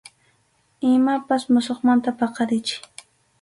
Imapas musuqmanta paqarichiy.